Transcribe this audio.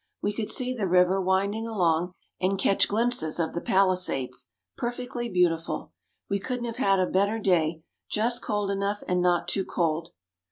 We could see the river winding along, and catch glimpses of the Palisades perfectly beautiful. We couldn't have had a better day, just cold enough, and not too cold.